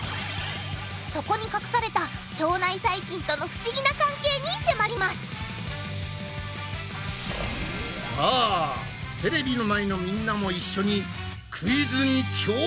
そこに隠された腸内細菌との不思議な関係に迫りますさあテレビの前のみんなも一緒にクイズに挑戦だ！